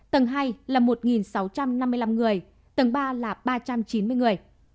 tầng hai là một sáu trăm năm mươi năm người tầng ba là ba trăm chín mươi người